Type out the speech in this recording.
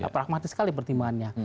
pragmatis sekali pertimbangannya